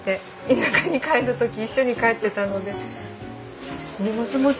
田舎に帰る時一緒に帰ってたので。